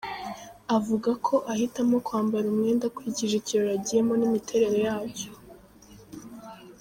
Avuga ko ahitamo kwambara umwenda akurikije ikirori agiyemo n’imiterere yacyo.